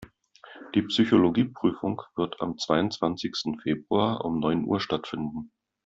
Die Psychologie-Prüfung wird am zweiundzwanzigsten Februar um neun Uhr stattfinden.